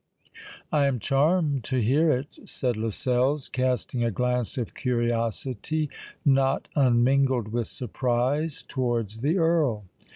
"I am charmed to hear it," said Lascelles, casting a glance of curiosity, not unmingled with surprise, towards the Earl.